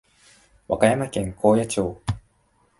和歌山県高野町